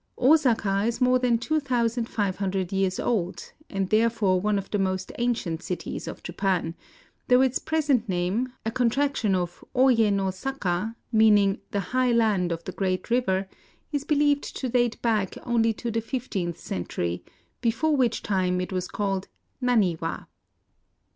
Osaka is more than two thousand &ve hun dred years old, and therefore one of the most ancient cities of Japan, — though its present name, a contraction of Oye no Saka, meaning the High Land of the Great Eiver, is be lieved to date back only to the fifteenth cen 134 IN OSAKA tury, before which time it was called Naniwa.